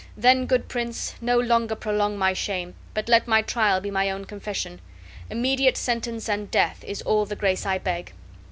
Then, good prince, no longer prolong my shame, but let my trial be my own confession. Immediate sentence and death is all the grace I beg."